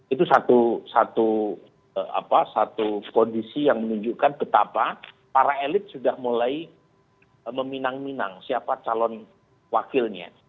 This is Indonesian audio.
itu satu kondisi yang menunjukkan betapa para elit sudah mulai meminang minang siapa calon wakilnya